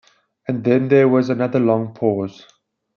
Then there was another long pause.